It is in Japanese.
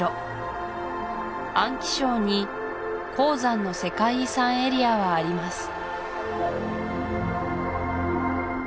安徽省に黄山の世界遺産エリアはあります